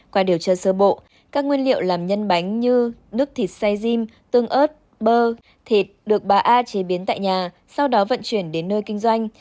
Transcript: qua điều tra sơ bộ các nguyên liệu làm nhân bánh như nước thịt xe diêm tương ớt bơ thịt được bà a chế biến tại nhà sau đó vận chuyển đến nơi kinh doanh